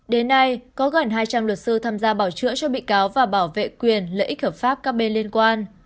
đến nay có gần hai trăm linh luật sư tham gia bảo chữa cho bị cáo và bảo vệ quyền lợi ích hợp pháp các bên liên quan